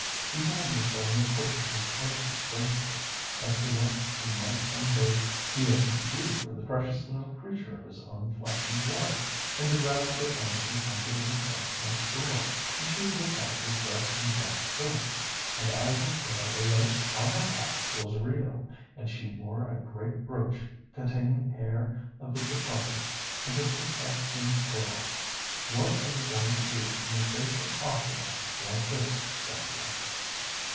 He told me so in the course of his artless boasting as to what he might some day be able to do for the precious little creature of his own flesh and blood; and the grandmother owns her comfortable place next door, and she herself was dressed in black silk, and I will swear the lace on her cap was real, and she wore a great brooch containing hair of the departed, and it was set in pearl. What are you going to do in the face of opulence like this, Cynthia?"